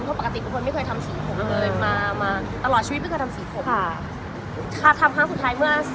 เราไม่เคยทำสีผมเลย